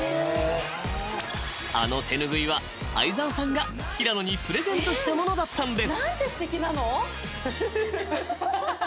［あの手ぬぐいは相澤さんが平野にプレゼントしたものだったんです］